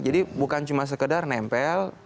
bukan cuma sekedar nempel